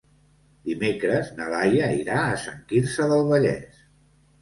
Dimecres na Laia irà a Sant Quirze del Vallès.